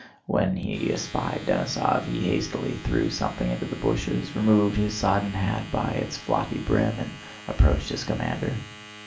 When he espied Denísov he hastily threw something into the bushes, removed his sodden hat by its floppy brim, and approached his commander.